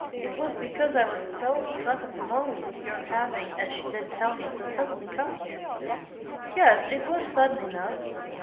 It was because I was so struck at the moment with your having, as she did tell me, so suddenly come here." "Yes, it was sudden enough."